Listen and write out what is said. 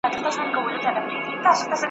له ژوندونه ورک حساب وي بې پروا یو له زمانه ,